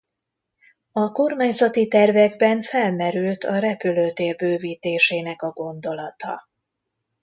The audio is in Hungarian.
A kormányzati tervekben felmerült a repülőtér bővítésének a gondolata.